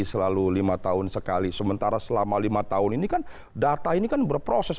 selalu lima tahun sekali sementara selama lima tahun ini kan data ini kan berproses